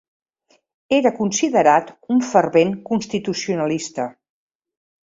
Era considerat un fervent constitucionalista.